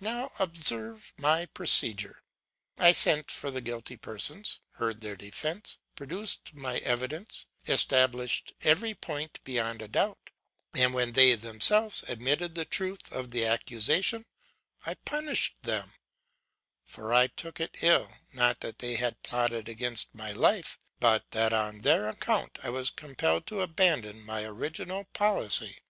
'Now observe my procedure. I sent for the guilty persons, heard their defence, produced my evidence, established every point beyond a doubt; and when they themselves admitted the truth of the accusation, I punished them; for I took it ill, not that they had plotted against my life, but that on their account I was compelled to abandon my original policy.